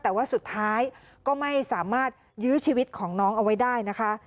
แต่ว่าสุดท้ายก็ไม่สามารถยื้อชีวิตของน้องเอาไว้ได้นะคะ